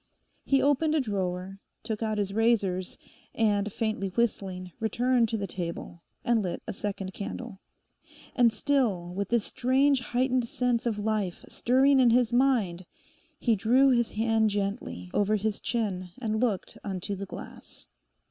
He opened a drawer, took out his razors, and, faintly whistling, returned to the table and lit a second candle. And still with this strange heightened sense of life stirring in his mind, he drew his hand gently over his chin and looked unto the glass.